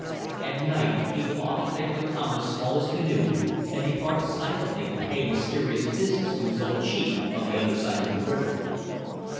At night he would often take Lakamba's smallest canoe and depart silently to pay mysterious visits to his old chief on the other side of the river.